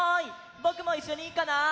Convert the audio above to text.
ぼくもいっしょにいいかな？